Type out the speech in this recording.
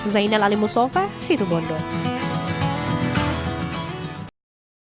jika anda ingin mencoba silakan beri dukungan di kolom komentar